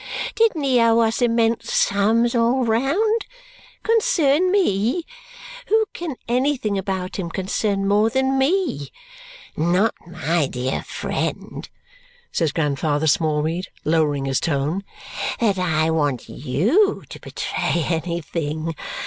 Didn't he owe us immense sums, all round? Concern me? Who can anything about him concern more than me? Not, my dear friend," says Grandfather Smallweed, lowering his tone, "that I want YOU to betray anything.